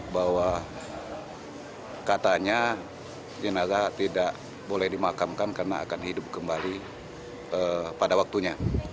bahwa katanya jenazah tidak boleh dimakamkan karena akan hidup kembali pada waktunya